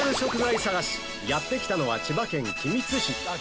やって来たのは千葉県君津市